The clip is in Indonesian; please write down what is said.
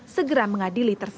segera mengadili tersebut